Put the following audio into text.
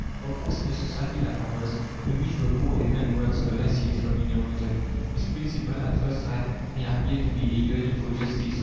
Of course, in a society like ours, in which the more a man works the less he is remunerated, this principle, at first sight, may appear to be a yearning for justice.